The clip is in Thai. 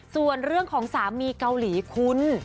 ส่วนเรื่องของสามีเกาหลีคุณ